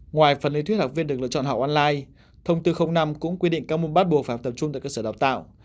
ngoài phần lý thuyết học viên được lựa chọn học online thông tư năm cũng quy định các môn bắt buộc phải tập trung tại cơ sở đào tạo